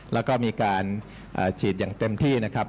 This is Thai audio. แล้วก็มีการฉีดอย่างเต็มที่นะครับ